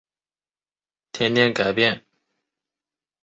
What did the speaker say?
星空下的人们天天改变